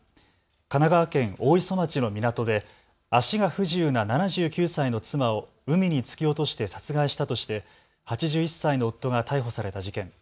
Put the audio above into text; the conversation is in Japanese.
神奈川県大磯町の港で足が不自由な７９歳の妻を海に突き落として殺害したとして８１歳の夫が逮捕された事件。